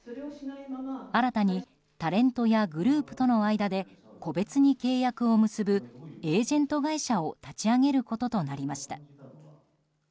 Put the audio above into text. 新たにタレントやグループとの間で個別に契約を結ぶエージェント会社を立ち上げることとなりました。